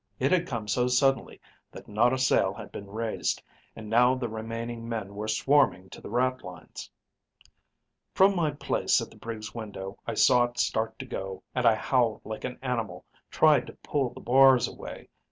It had come so suddenly that not a sail had been raised, and now the remaining men were swarming to the ratlines. "From my place at the brig's window I saw it start to go and I howled like an animal, tried to pull the bars away.